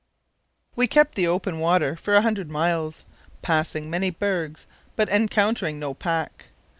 We kept the open water for a hundred miles, passing many bergs but encountering no pack.